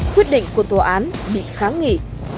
quyết định của tòa án bị kháng nghỉ